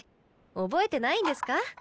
覚えてないんですか？